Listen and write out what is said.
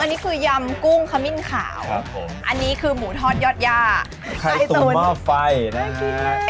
อันนี้คือยำกุ้งขมิ้นขาวครับผมอันนี้คือหมูทอดยอดย่าไส้ตุ๋นทอดไฟนะฮะ